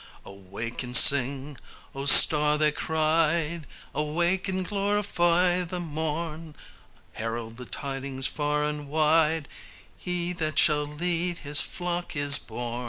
"Awake and sing, O star!" they cried. "Awake and glorify the morn! Herald the tidings far and wide He that shall lead His flock is born!"